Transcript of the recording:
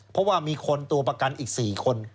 เพราะว่ามีคนตัวประกันอีก๔คน